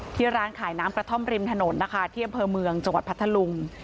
ร้านขายน้ำกระท่อมริมถนนนะคะที่อำเภอเมืองจังหวัดพัทธลุง